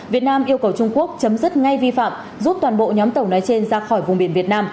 việt nam yêu cầu trung quốc chấm dứt ngay vi phạm rút toàn bộ nhóm tàu nói trên ra khỏi vùng biển việt nam